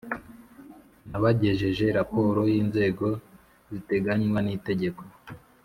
n abagejeje raporo y Inzego ziteganywa n Itegeko